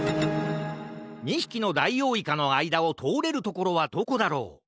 ２ひきのダイオウイカのあいだをとおれるところはどこだろう？